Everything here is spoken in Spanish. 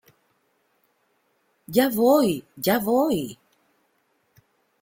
Ya voy, ya voy.